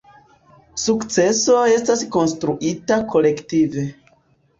Sukceso estas konstruita kolektive.